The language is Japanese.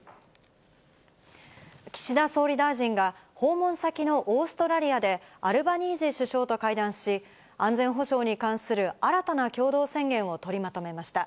岸田総理大臣が、訪問先のオーストラリアで、アルバニージー首相と会談し、安全保障に関する新たな共同宣言を取りまとめました。